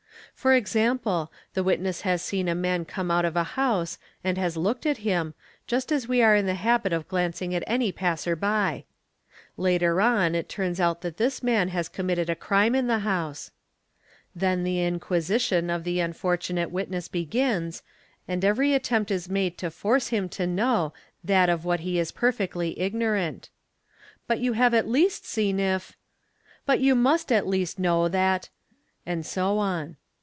For example, the" witness has seen a man come out of a house and has looked at him, just. as we are in the habit of glancing at any passer by. Later on it turns | out that this man has committed a crime in the house; then the) inquisition of the unfortunate witness begins, and every attempt is mad | to force him to know that of what he is perfectly ignorant, " But yor Die 5 have at least seen if—''; " But you must at least know that—''; and s on.